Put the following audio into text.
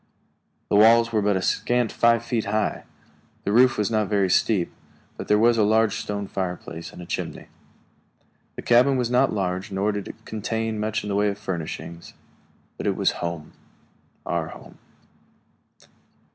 The walls were but a scant five feet high; the roof was not very steep; and there was a large stone fireplace and a chimney. The cabin was not large nor did it contain much in the way of furnishings; but it was home our home.